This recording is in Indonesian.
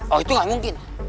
oh itu gak mungkin